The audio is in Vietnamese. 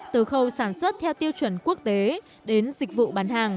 từ khâu sản xuất theo tiêu chuẩn quốc tế đến dịch vụ bán hàng